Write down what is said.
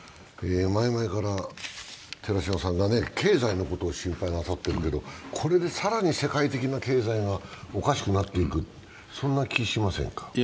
前々から寺島さんが経済のことを心配なさってるけどこれで更に世界的な経済がおかしくなっていく気がしませんか？